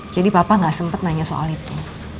jadi papa gak sempet nanya soal itu